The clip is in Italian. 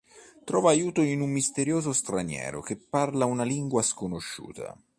Trova aiuto in un misterioso straniero che parla una lingua sconosciuta.